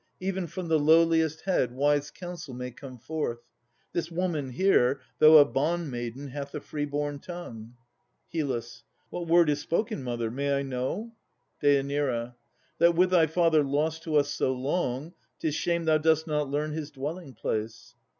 even from the lowliest head Wise counsel may come forth. This woman here, Though a bond maiden, hath a free born tongue. HYL. What word is spoken, mother? May I know? DÊ. That, with thy father lost to us so long, 'Tis shame thou dost not learn his dwelling place.